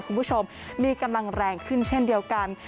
คุณผู้ชมมีกำลังแรงขึ้นเช่นเดียวกัน